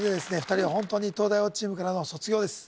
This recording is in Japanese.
２人は本当に東大王チームからの卒業です